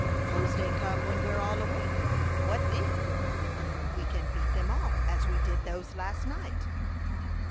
"'Pose dey come when we're all awake what den?" "We can beat them off, as we did those last night."